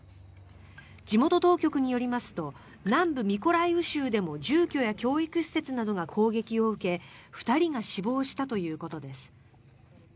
地元当局によりますと南部ミコライウ州でも住居や教育施設などが攻撃を受け２人が死亡したということです。